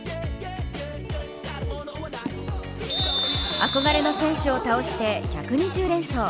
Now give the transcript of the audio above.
憧れの選手を倒して１２０連勝。